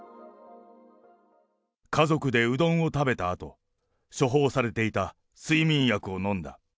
家族でうどんを食べたあと、処方されていた睡眠薬を飲んだ。